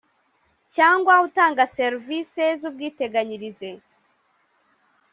cyangwa utanga serivisi z ubwiteganyirize